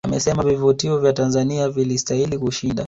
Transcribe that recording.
Amesema vivutio vya Tanzania vilistahili kushinda